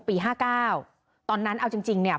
ปี๕๙ตอนนั้นเอาจริงจริงเนี่ย